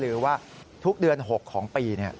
หรือว่าทุกเดือน๖ของปี